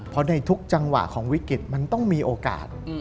เพราะในทุกจังหวะของวิกฤตมันต้องมีโอกาส